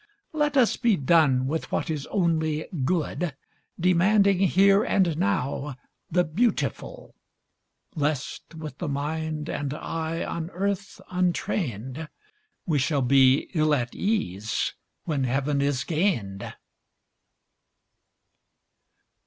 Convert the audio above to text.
Let us be done with what is only good, Demanding here and now the beautiful; Lest, with the mind and eye on earth untrained, We shall be ill at ease when heaven is gained.